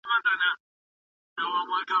ایا ته غواړي چي په راتلونکي کي تکړه څېړونکی سي؟